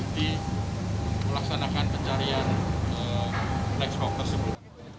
dan kita akan melaksanakan pencarian black box tersebut